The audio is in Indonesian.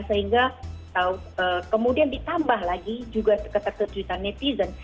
sehingga kemudian ditambah lagi juga keterketuitan netizen